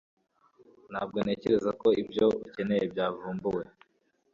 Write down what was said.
Ntabwo ntekereza ko ibyo ukeneye byavumbuwe